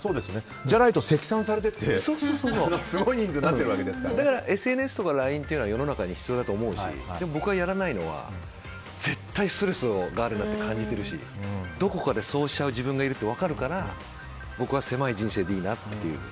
じゃないと積算されていってすごい人数にＳＮＳとかＬＩＮＥというのは世の中に必要だと思うしだけど僕がやらないのは絶対ストレスがあるなって感じているしどこかでそうしちゃう自分がいるって分かるから僕は狭い人生でいいなという。